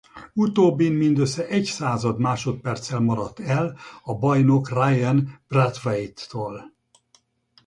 Utóbbin mindössze egy század másodperccel maradt el a bajnok Ryan Brathwaite-tól.